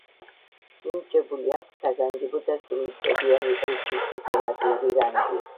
მინიჭებული აქვს საგანგებო და სრულუფლებიანი ელჩის დიპლომატიური რანგი.